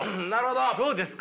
どうですか？